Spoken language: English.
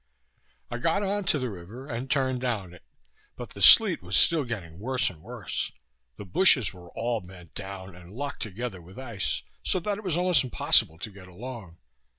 I got on to the river, and turned down it; but the sleet was still getting worse and worse. The bushes were all bent down, and locked together with ice, so that it was almost impossible to get along.